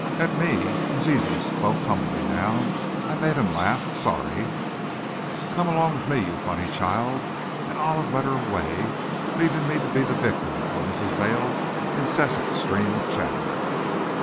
"At me," and Zizi spoke humbly now; "I made 'em laugh. Sorry!" "Come along with me, you funny child," and Olive led her away, leaving me to be the victim of Mrs. Vail's incessant stream of chatter.